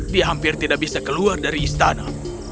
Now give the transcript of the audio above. dia hampir tidak bisa keluar dari istana